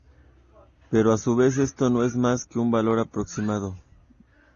Pero a su vez esto no es más que un valor aproximado.